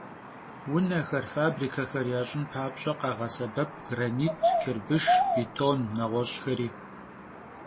Vunexer, fabrikexer yaş'ın papş'e, khağesebep granit, çırbışş, bêton, neğueş'xeri.